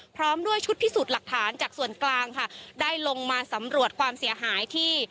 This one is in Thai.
พร้อมด้วยชุดพิสูจน์หลักฐานจากส่วนกลางค่ะได้ลงมาสำรวจความเสียหายที่